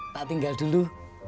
tak tinggal dulu